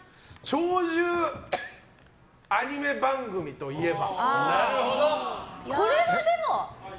長寿アニメ番組といえば？